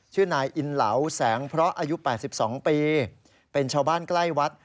ชื่อนายอินเหลาแสงเพราะอายุ๘๒ปีเป็นชาวบ้านใกล้วัด